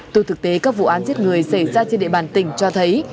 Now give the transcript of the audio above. từ thực tế các vụ án giết người xảy ra trên địa bàn tỉnh cho thấy